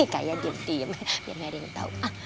kaya diem diem biar mary tahu